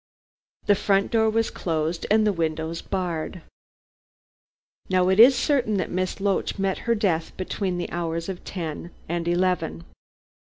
The front door was closed and the windows barred. "Now it is certain that Miss Loach met her death between the hours of ten and eleven.